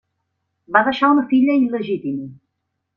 Va deixar una filla il·legítima.